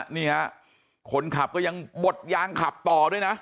นี่ฮะคนขับก็ยังบดยางขับต่อด้วยนะ